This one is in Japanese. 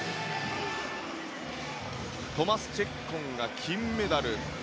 トマス・チェッコンが金メダル。